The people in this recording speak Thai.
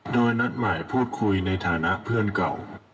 โดยนัดหมายพูดคุยในฐานะเพื่อนเก่า